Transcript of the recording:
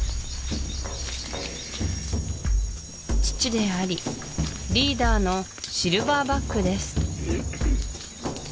父でありリーダーのシルバーバックです